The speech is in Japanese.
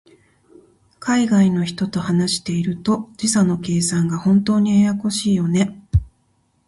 海外の人と話していると、時差の計算が本当にややこしいよね。